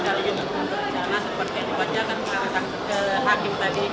dan berjalan seperti ini wajahkan ke hakim tadi